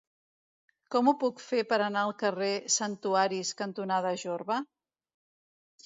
Com ho puc fer per anar al carrer Santuaris cantonada Jorba?